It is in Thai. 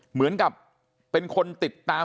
เหมือนกับเป็นคนติดตาม